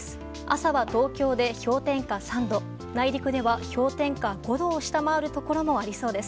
朝は東京で氷点下３度内陸では氷点下５度を下回るところもありそうです。